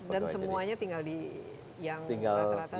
dan semuanya tinggal di yang rata rata tinggal di sini